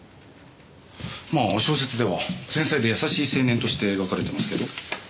まあ小説では繊細で優しい青年として描かれてますけど。